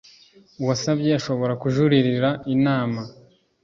uwasabye ashobora kujuririra inama